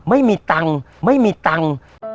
ไม่มีตังค์ไม่มีตังค์